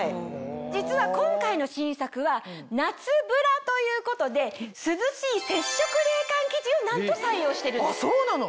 実は今回の新作は夏ブラということで涼しい接触冷感生地をなんと採用してるんです。